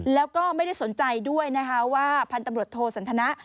แล้วก็ไม่ได้สนใจด้วยนะคะว่าพันธุ์ตำรวจโทสันทนะ